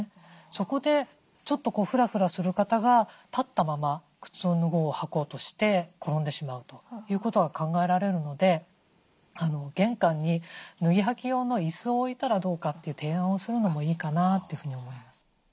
そこでちょっとフラフラする方が立ったまま靴を脱ごう履こうとして転んでしまうということが考えられるので玄関に脱ぎ履き用の椅子を置いたらどうかという提案をするのもいいかなというふうに思います。